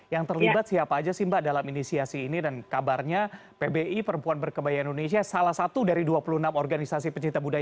yang terlibat siapa aja sih mbak dalam inisiasi ini dan kabarnya pbi perempuan berkebaya indonesia salah satu dari dua puluh enam organisasi pencinta budaya